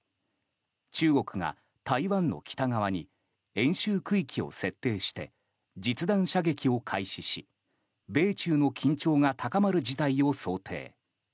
中国が台湾の北側に演習区域を設定して実弾射撃を開始し米中の緊張が高まる事態を想定。